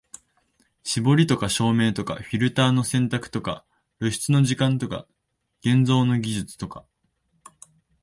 絞りとか照明とかフィルターの選択とか露出の時間とか現像の技術とか、